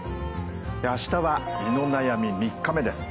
明日は「胃の悩み」３日目です。